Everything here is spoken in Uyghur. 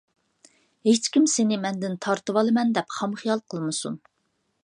ھېچكىم سېنى مەندىن تارتىۋالىمەن دەپ خام خىيال قىلمىسۇن!